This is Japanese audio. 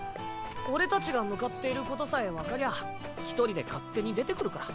俺たちが向かっていることさえ分かりゃ一人で勝手に出てくるから。